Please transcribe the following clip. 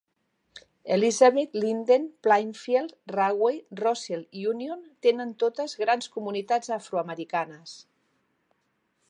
Elizabeth, Linden, Plainfield, Rahway, Roselle i Union tenen totes grans comunitats afroamericanes.